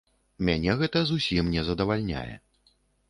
Мяне гэта зусім не задавальняе.